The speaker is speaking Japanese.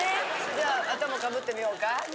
じゃあ頭かぶってみようか？